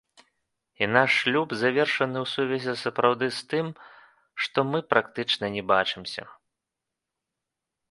І наш шлюб завершаны ў сувязі сапраўды з тым, што мы практычна не бачымся.